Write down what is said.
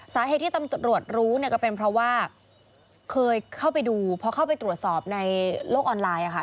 สาเหตุที่ตำรวจรู้เนี่ยก็เป็นเพราะว่าเคยเข้าไปดูพอเข้าไปตรวจสอบในโลกออนไลน์ค่ะ